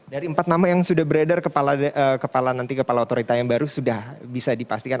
dari empat nama yang sudah beredar kepala nanti kepala otorita yang baru sudah bisa dipastikan